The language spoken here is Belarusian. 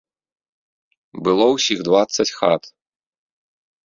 Было ўсіх дваццаць хат.